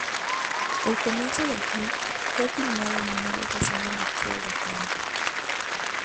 El comienzo del film fue filmado en una vieja zona industrial de Atlanta.